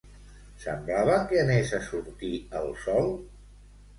Semblava que anés a sortir el sol?